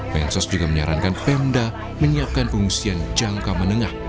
mensos juga menyarankan pemda menyiapkan pengungsian jangka menengah